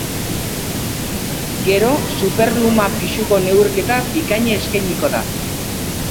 Gero, superluma pisuko neurketa bikaina eskainiko da.